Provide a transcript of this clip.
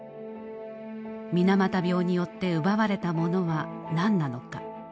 水俣病によって奪われたものは何なのか。